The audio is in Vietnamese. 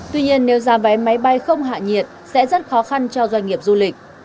tuy nhiên nếu giá vé máy bay không hạ nhiệt sẽ rất khó khăn cho doanh nghiệp du lịch